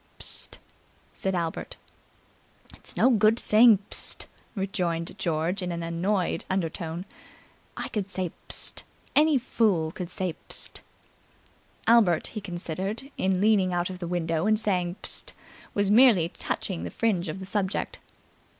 "Psst!" said Albert. "It's no good saying, 'Psst!'" rejoined George in an annoyed undertone. "I could say 'Psst!' Any fool could say 'Psst!'" Albert, he considered, in leaning out of the window and saying "Psst!" was merely touching the fringe of the subject.